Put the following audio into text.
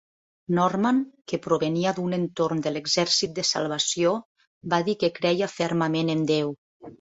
Norman, que provenia d'un entorn de l'Exèrcit de Salvació, va dir que creia fermament en Déu.